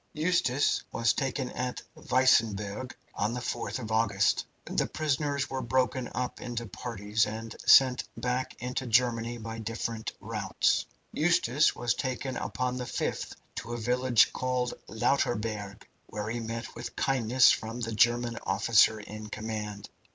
"Eustace was taken at Weissenburg on the 4th of August. The prisoners were broken up into parties, and sent back into Germany by different routes. Eustace was taken upon the 5th to a village called Lauterburg, where he met with kindness from the German officer in command.